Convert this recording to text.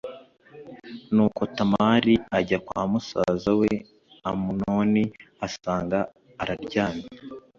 Nuko Tamari ajya kwa musaza we Amunoni asanga araryamye